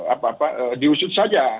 apa apa diusut saja